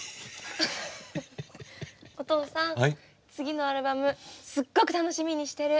お父さん次のアルバムすっごく楽しみにしてる。